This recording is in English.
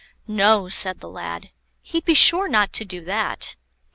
"No," said the lad, he'd be sure not to do that.